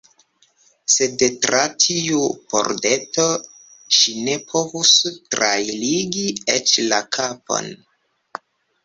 Sed tra tiu pordeto ŝi ne povus trairigi eĉ la kapon!